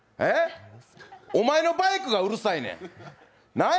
お前のバイクがうるさいねん。